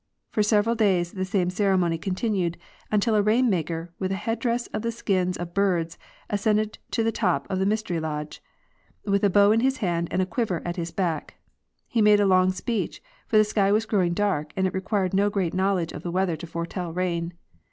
For several days the same ceremony continued, until a rain maker, with a head dress of the skins of birds, ascended the top of the mystery lodge, with a bow in his hand and a quiver at his back. He made a long speech, for the sky was growing dark, and it required no great knowledge of the weather to foretell: rain.